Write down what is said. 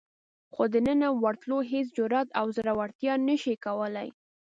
خو دننه ورتلو هېڅ جرئت او زړورتیا نشي کولای.